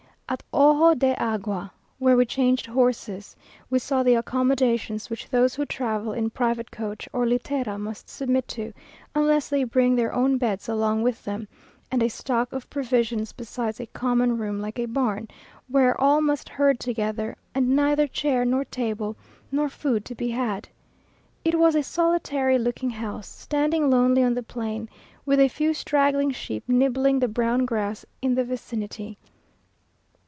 At Ojo de Agua, where we changed horses, we saw the accommodations which those who travel in private coach or litera must submit to, unless they bring their own beds along with them, and a stock of provisions besides a common room like a barn, where all must herd together; and neither chair, nor table, nor food to be had. It was a solitary looking house, standing lonely on the plain, with a few straggling sheep nibbling the brown grass in the vicinity.